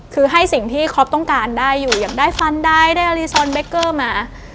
คือให้สิ่งที่คอปต้องการได้อยู่อยากได้ฟันได้ได้อรีซอนเบคเกอร์มา